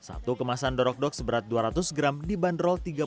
satu kemasan dorok dok seberat dua ratus gram dibanderol tiga puluh ribu rupiah